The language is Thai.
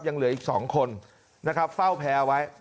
ยังเหลืออีก๒คนนะครับเฝ้าแพ้ไว้